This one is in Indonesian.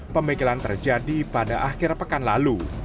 pemikiran terjadi pada akhir pekan lalu